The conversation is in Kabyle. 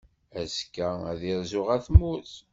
Azekka, ad irzu ɣer tmurt.